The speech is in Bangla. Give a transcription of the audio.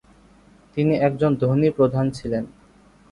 তিনি একজন ধনী প্রধান ছিলেন।